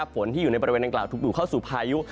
ฝนที่อยู่ในบริเวณดังกล่าวถูกดูดเข้าสู่พายุ